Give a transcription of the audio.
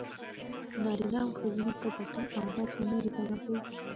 نارينه او ښځينه طبقې او داسې نورې طبقې.